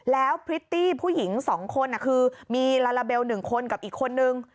แล้วพริตตี้ผู้หญิง๒คนคือมีลาลาเบล๑คนกับอีกคนนึง